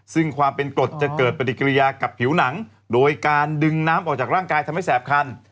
ซึ่งความเป็นกรดจะเกิดปฏิกิริยากับผิวหนังโดยการดึงน้ำออกจากร่างกายทำให้แสบคัน